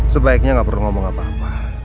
sebaiknya nggak perlu ngomong apa apa